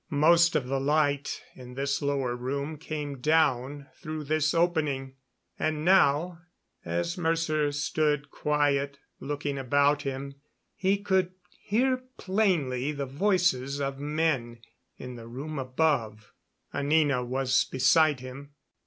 Most of the light in this lower room came down through this opening; and now, as Mercer stood quiet looking about him, he could hear plainly the voices of men in the room above. Anina was beside him.